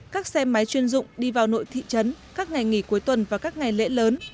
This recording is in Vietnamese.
các xe máy chuyên dụng đi vào nội thị trấn các ngày nghỉ cuối tuần và các ngày lễ lớn